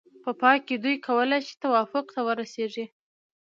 په پای کې دوی کولای شي توافق ته ورسیږي.